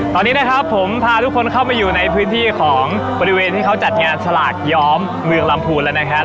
ตอนนี้นะครับผมพาทุกคนเข้ามาอยู่ในพื้นที่ของบริเวณที่เขาจัดงานสลากย้อมเมืองลำพูนแล้วนะครับ